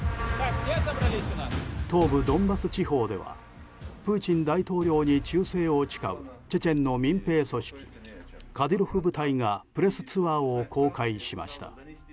東部ドンバス地方ではプーチン大統領に忠誠を誓うチェチェンの民兵組織カディロフ部隊がプレスツアーを公開しました。